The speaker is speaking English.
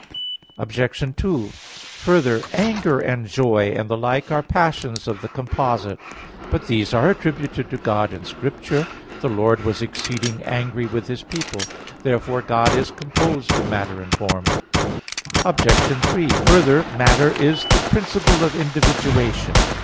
Obj. 2: Further, anger, joy and the like are passions of the composite. But these are attributed to God in Scripture: "The Lord was exceeding angry with His people" (Ps. 105:40). Therefore God is composed of matter and form. Obj. 3: Further, matter is the principle of individualization.